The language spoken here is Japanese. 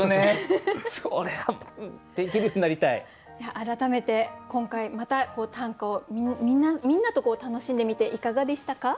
改めて今回また短歌をみんなと楽しんでみていかがでしたか？